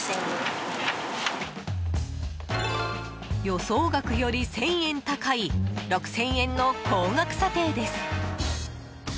予想額より１０００円高い６０００円の高額査定です。